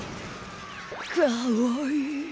かわいい。